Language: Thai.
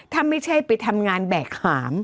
ถ้าไม่ใช่ไปทำงานแบกหาม